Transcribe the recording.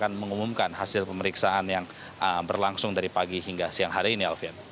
akan mengumumkan hasil pemeriksaan yang berlangsung dari pagi hingga siang hari ini alfian